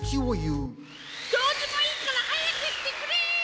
どうでもいいからはやくしてくれ！